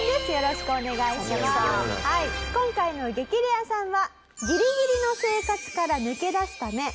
今回の激レアさんは。